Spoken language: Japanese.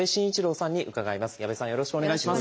よろしくお願いします。